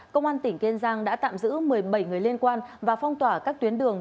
công an tỉnh kiên giang đã tạm giữ một mươi bảy người liên quan và phong tỏa các tuyến đường